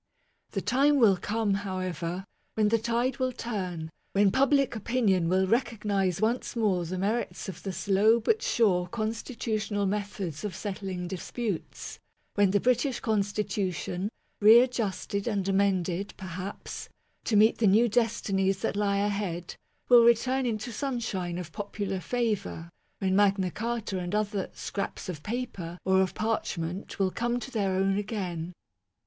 The time will come, however, when the tide will turn ; when public opinion will recognize once more the merits of the slow but sure constitutional methods of settling disputes; when the British Constitution, readjusted and amended, perhaps, to meet the new destinies that lie ahead, will return into the sunshine of popular favour ; when Magna Carta and other " scraps of paper " or of parchment will come to their own again.